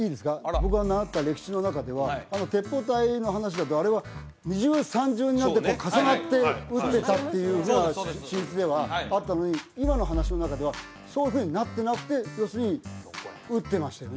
僕が習った歴史の中ではあの鉄砲隊の話だとあれは２重３重になって重なって撃ってたっていうふうな記述ではあったのに今の話の中ではそういうふうになってなくて要するに撃ってましたよね